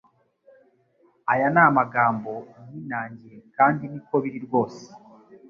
aya ni amagambo yinangiye kandi niko biri rwose